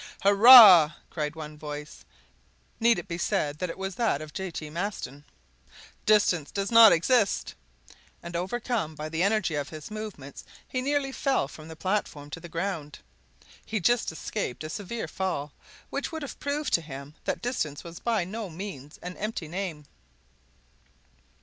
'" "Hurrah!" cried one voice (need it be said it was that of J. T. Maston). "Distance does not exist!" And overcome by the energy of his movements, he nearly fell from the platform to the ground. He just escaped a severe fall, which would have proved to him that distance was by no means an empty name.